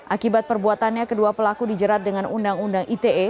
akibat perbuatannya kedua pelaku dijerat dengan undang undang ite